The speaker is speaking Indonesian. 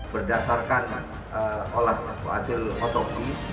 berdasarkan olahraga hasil otopsi